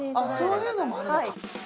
そういうのもあるのか